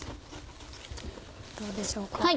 どうでしょうか？